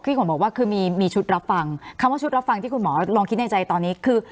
ขวัญบอกว่าคือมีชุดรับฟังคำว่าชุดรับฟังที่คุณหมอลองคิดในใจตอนนี้คือ